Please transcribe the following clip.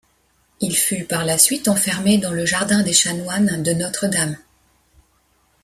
Il fut par la suite enfermé dans le jardin des chanoines de Notre-Dame.